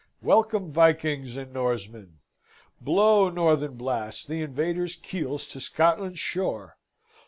Welcome, Vikings and Norsemen! Blow, northern blasts, the invaders' keels to Scotland's shore!